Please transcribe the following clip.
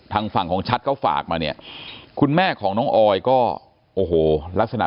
ทางฝั่งของชัดก็ฝากมาเนี่ยคุณแม่ของน้องออยก็โอ้โหลักษณะ